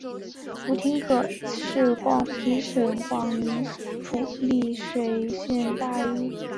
吴廷可是广平省广宁府丽水县大丰禄总大丰禄社出生。